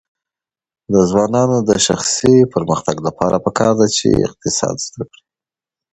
د ځوانانو د شخصي پرمختګ لپاره پکار ده چې اقتصاد زده کړي.